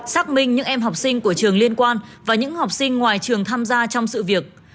xác minh những em học sinh của trường liên quan và những học sinh ngoài trường tham gia trong sự việc